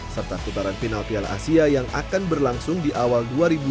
serta putaran final piala asia yang akan berlangsung di awal dua ribu dua puluh